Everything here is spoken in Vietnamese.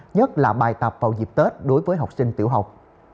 nhất là bài tập vào dịp tết đối với học sinh tiểu học